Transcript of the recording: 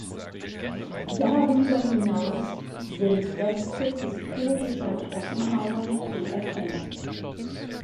Darüber hinaus sind Reste historischer Trockenmauern zu erkennen.